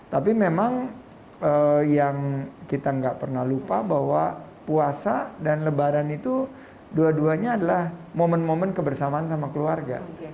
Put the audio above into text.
tapi memang yang kita nggak pernah lupa bahwa puasa dan lebaran itu dua duanya adalah momen momen kebersamaan sama keluarga